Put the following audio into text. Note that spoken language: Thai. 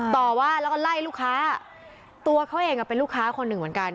ต่อว่าแล้วก็ไล่ลูกค้าตัวเขาเองเป็นลูกค้าคนหนึ่งเหมือนกัน